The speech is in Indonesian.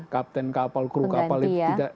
kapten kapal kru kapal pengganti ya